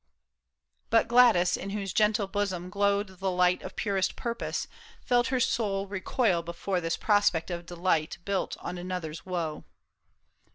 II. But Gladys, in whose gentle bosom glowed The light of purest purpose, felt her soul Recoil before this prospect of delight Built on another's woe.